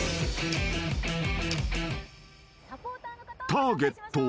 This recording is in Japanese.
［ターゲットは］